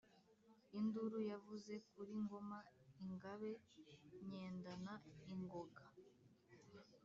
Induru yavuze kuli Ngoma ingabe nyendana ingoga.